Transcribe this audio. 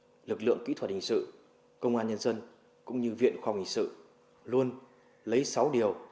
các lực lượng kỹ thuật hình sự công an nhân dân cũng như viện khoa học hình sự luôn lấy sáu điều